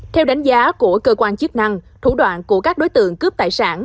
theo đánh giá của cơ quan chức năng thủ đoạn của các đối tượng cướp tài sản